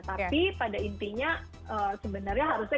tapi pada intinya sebenarnya harusnya